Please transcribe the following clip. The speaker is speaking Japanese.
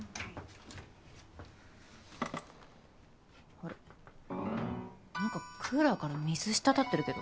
あれなんかクーラーから水滴ってるけど。